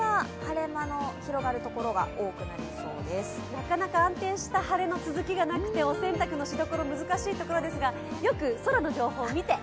なかなか安定した晴れの続きがなくてお洗濯のしどころ、難しいところですが、よく空の情報を見て。